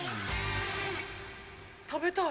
食べたい。